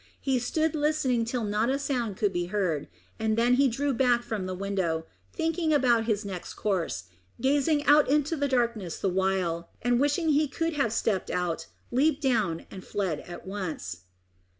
He stood listening till not a sound could be heard, and then he drew back from the window, thinking about his next course, gazing out into the darkness the while, and wishing he could have stepped out, leaped down, and fled at once.